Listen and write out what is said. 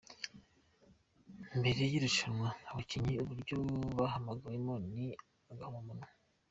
Mbere y’irushanwa abakinnyi uburyo bahamagawemo ni agahomamunwa.